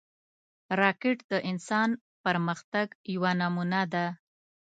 راکټ د انسان پرمختګ یوه نمونه ده